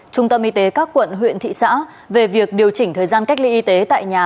trung tâm y tế các quận huyện thị xã về việc điều chỉnh thời gian cách ly y tế tại nhà